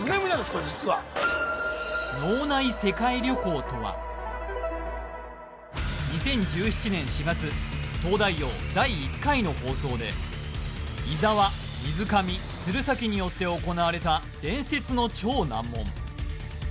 これ実は２０１７年４月東大王第１回の放送で伊沢水上鶴崎によって行われた伝説の超難問